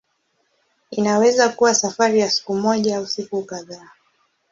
Inaweza kuwa safari ya siku moja au siku kadhaa.